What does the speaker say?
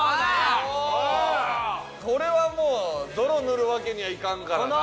これはもう泥塗るわけにはいかんからな。